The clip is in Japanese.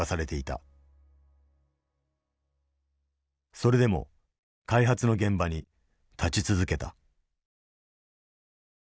それでも開発の現場に立ち続けた。